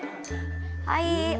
はい。